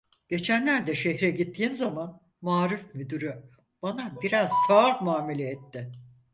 Geçenlerde şehre gittiğim zaman maarif müdürü bana biraz tuhaf muamele etti.